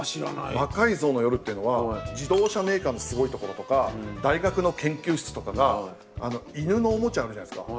「魔改造の夜」っていうのは自動車メーカーのすごいところとか大学の研究室とかが犬のおもちゃあるじゃないですか。